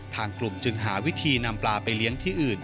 ทางกลุ่มจึงหาวิธีนำปลาไปเลี้ยงที่อื่น